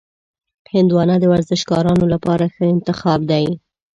هندوانه د ورزشکارانو لپاره ښه انتخاب دی.